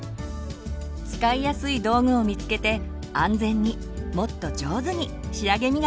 使いやすい道具を見つけて安全にもっと上手に仕上げみがきができるといいですね。